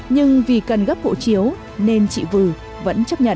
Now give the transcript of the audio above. nhưng vì cần gấp hộ chiếu nên chị vư vẫn chấp nhận